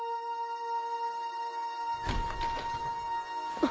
あっ。